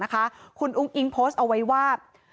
คุณอุ้งอิงโพสต์เอาไว้ว่า